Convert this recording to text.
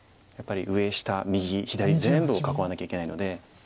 やっぱり上下右左全部を囲わなきゃいけないので。